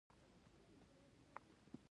آیا د کتاب نندارتونونه جوړیږي؟